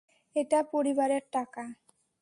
এটা পরিবারের টাকা!